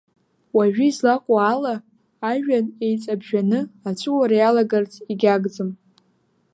Уажәы излаҟоу ала, ажәҩан еиҵаԥжәаны аҵәуара иалагарц егьагӡам.